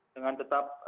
dengan tetap berkembang